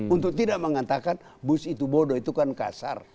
untuk tidak mengatakan bus itu bodoh itu kan kasar